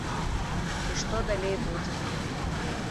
І што далей будзе?